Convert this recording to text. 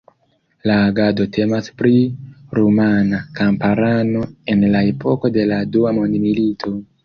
La agado temas pri rumana kamparano en la epoko de la Dua Mondmilito.